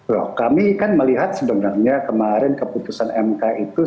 loh kami kan melihat sebenarnya kemarin keputusan mk itu